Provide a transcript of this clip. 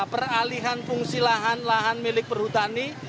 peralihan fungsi lahan lahan milik perhutani